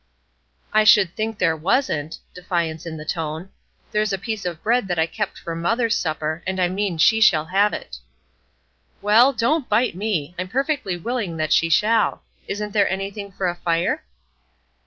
"I should think there wasn't!" defiance in the tone "there's a piece of bread that I kept for mother's supper, and I mean she shall have it." "Well, don't bite me! I'm perfectly willing that she shall. Isn't there anything for a fire?"